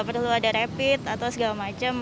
tapi kita sudah kemudian ke tempat rapid atau segala macam